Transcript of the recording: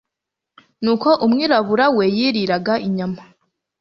nuko umwirabura we yiriraga inyama